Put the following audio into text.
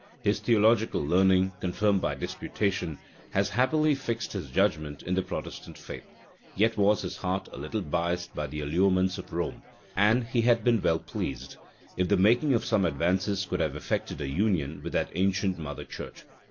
His theological learning, confirmed by disputation, has happily fixed his judgment in the Protestant faith; yet was his heart a little biased by the allurements of Rome; and he had been well pleased, if the making of some advances could have effected a union with that ancient mother church.